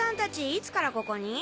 いつからここに？